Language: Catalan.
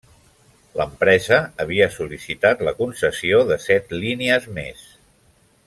L'empresa havia sol·licitat la concessió de set línies més.